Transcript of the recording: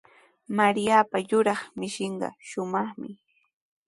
Mariapa yuraq mishinqa shumaqmi.